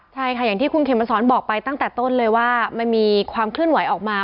ใช่ค่ะอย่างที่คุณเขมสอนบอกไปตั้งแต่ต้นเลยว่ามันมีความเคลื่อนไหวออกมา